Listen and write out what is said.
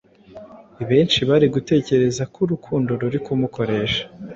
Benshi bari gutekereza ko urukundo ruri kumukoresha